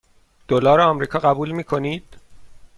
دلار آمریکا قبول می کنید؟